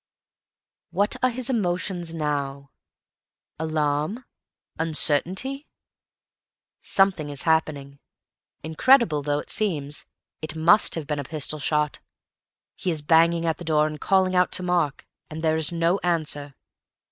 What are his emotions now? Alarm, uncertainty. Something is happening. Incredible though it seems, it must have been a pistol shot. He is banging at the door and calling out to Mark, and there is no answer.